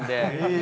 え！